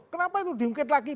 kenapa itu dimukit lagi